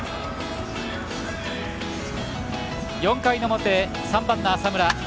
４回の表、３番の浅村。